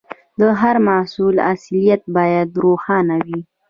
د هر محصول اصليت باید روښانه وي.